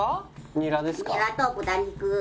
ニラと豚肉。